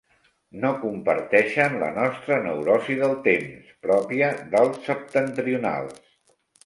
No comparteixen la nostra neurosi del temps, pròpia dels septentrionals